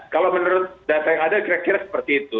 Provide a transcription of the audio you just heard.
kalau menurut data yang ada kira kira seperti itu